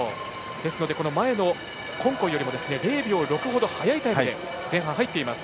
ですので、前のコンコイよりも０秒６ほど速いタイムで前半、入っています。